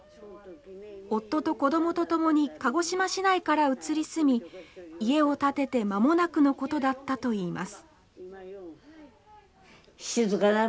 夫と子供と共に鹿児島市内から移り住み家を建てて間もなくのことだったといいます。